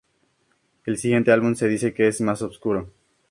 El siguiente álbum se dice que es "más oscuro".